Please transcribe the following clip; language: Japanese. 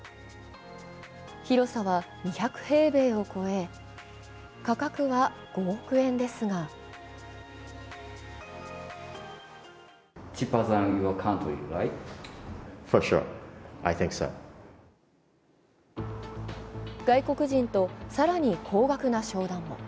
広さは２００平米を超え、価格は５億円ですが外国人と更に高額な商談も。